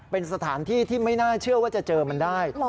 เป็นสถานที่ที่ไม่น่าเชื่อว่าจะเจอมันได้